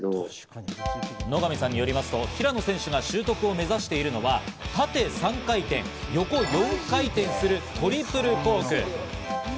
野上さんによりますと平野選手が習得を目指しているのは縦３回転、横４回転するトリプルコーク。